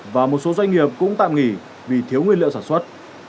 và một số doanh nghiệp cũng tạm nghỉ vì thiếu nguyên liệu sản xuất